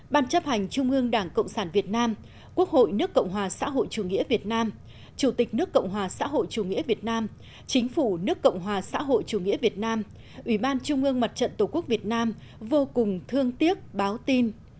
ban chấp hành trung ương đảng cộng sản việt nam quốc hội nước cộng hòa xã hội chủ nghĩa việt nam chủ tịch nước cộng hòa xã hội chủ nghĩa việt nam chính phủ nước cộng hòa xã hội chủ nghĩa việt nam ủy ban trung ương mặt trận tổ quốc việt nam vô cùng thương tiếc báo tin